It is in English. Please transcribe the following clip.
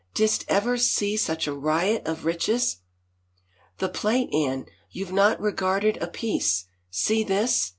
Didst ever see such a riot of riches ?"" The plate, Anne — you've not regarded a piece. See this."